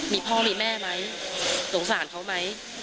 มีพ่อมีแม่มั้ยสงสารเขามั้ย